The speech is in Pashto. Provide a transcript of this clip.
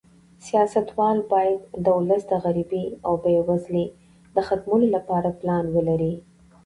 سیاستوال باید د ولس د غریبۍ او بې وزلۍ د ختمولو لپاره پلان ولري.